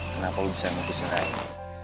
kenapa lu bisa mutusin raya